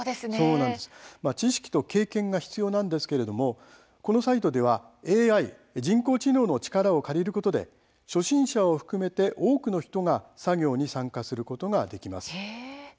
知識と経験が必要なんですけれどもこのサイトではＡＩ人工知能の力を借りることで初心者を含めて多くの人が作業に参加することができます。